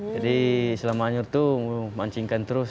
jadi selama anyur itu memancingkan terus